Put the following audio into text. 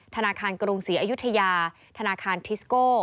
ธนาคารกรุงศรีอยุธยาธนาคารทิสโก้